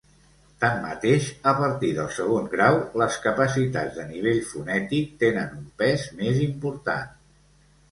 Tanmateix, a partir del segon grau, les capacitats de nivell fonètic tenen un pes més important.